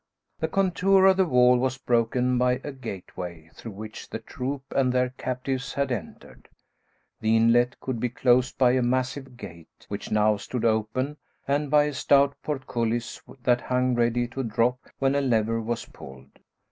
The contour of the wall was broken by a gateway, through which the troop and their captives had entered. The inlet could be closed by a massive gate, which now stood open, and by a stout portcullis that hung ready to drop when a lever was pulled.